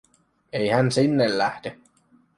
Ei hän sinne lähde.